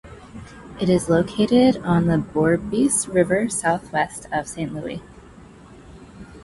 It is located on the Bourbeuse River southwest of Saint Louis.